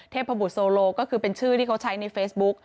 พบุตโซโลก็คือเป็นชื่อที่เขาใช้ในเฟซบุ๊ก